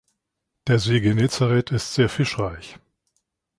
Der See Genezareth ist sehr fischreich.